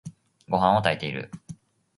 ごはんを炊いている。